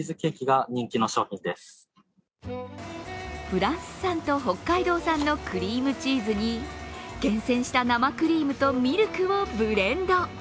フランス産と北海道産のクリームチーズに厳選した生クリームとミルクをブレンド。